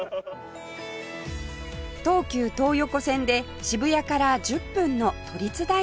東急東横線で渋谷から１０分の都立大学